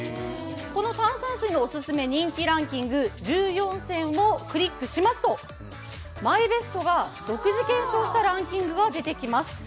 この「炭酸水のおすすめ人気ランキング１４選」をクリックしますと、ｍｙｂｅｓｔが独自検証したランキングが出てきます。